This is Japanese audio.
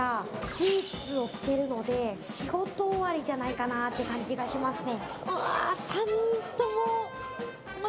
スーツを着てるので、仕事終わりじゃないかなって感じがしますね。